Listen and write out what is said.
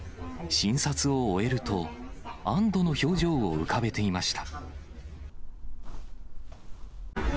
診察を終えると、安どの表情を浮かべていました。